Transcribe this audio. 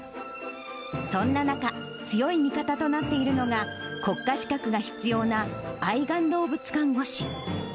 そんな中、強い味方となっているのが、国家資格が必要な愛玩動物看護師。